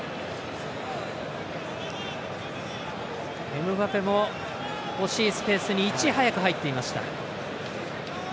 エムバペもスペースにいち早く入っていました。